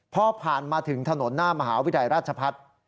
พอผ่านมาถึงถนนหน้ามหาวิทยาลัยราชพัฒน์